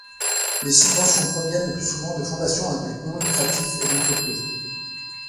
Les subventions proviennent le plus souvent de fondations à but non lucratif et d’entreprises.